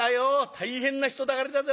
大変な人だかりだぜ。